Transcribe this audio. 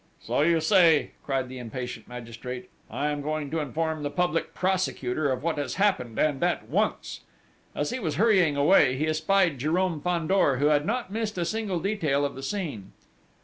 "So you say!" cried the impatient magistrate: "I am going to inform the Public Prosecutor of what has happened, and at once!" As he was hurrying away, he spied Jérôme Fandor, who had not missed a single detail of the scene.